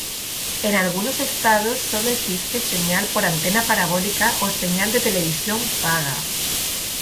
En algunos estados sólo existe señal por antena parabólica o señal de televisión paga.